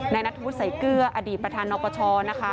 ในนัฐพุทธใส่เกลืออดีตประธานนครช้านะคะ